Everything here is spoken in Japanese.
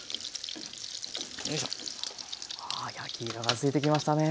ああ焼き色が付いてきましたね。